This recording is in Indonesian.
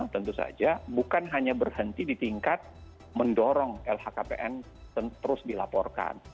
tentu saja bukan hanya berhenti di tingkat mendorong lhkpn terus dilaporkan